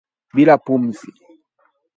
bila pumzi